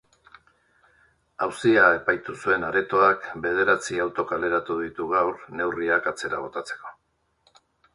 Auzia epaitu zuen aretoak bederatzi auto kaleratu ditu gaur neurriak atzera botatzeko.